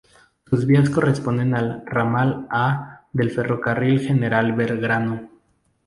Sus vías corresponden al Ramal A del Ferrocarril General Belgrano.